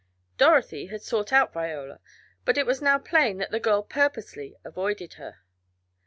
Dorothy had sought out Viola, but it was now plain that the girl purposely avoided her.